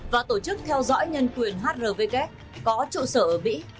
và tổ chức theo dõi nhân quyền hrvk có trụ sở ở mỹ